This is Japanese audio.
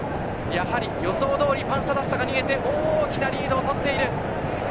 やはり予想通りパンサラッサが逃げてリードをとっている。